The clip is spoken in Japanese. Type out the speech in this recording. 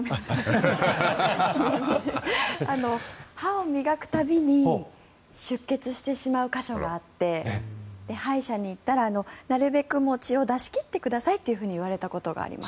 歯を磨く度に出血してしまう箇所があって歯医者に行ったらなるべく血を出し切ってくださいと言われたことがあります。